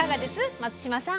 松嶋さん。